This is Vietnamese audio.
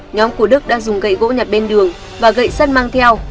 nhóm của đức đã dùng gậy gỗ nhặt bên đường và gậy sắt mang theo